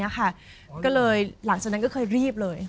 ก็เลยหลังจากนั้นก็เคยรีบเลย